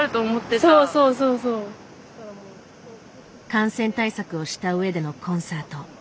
感染対策をしたうえでのコンサート。